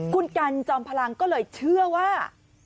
คุณกันจอมพลังก็เลยเชื่อว่า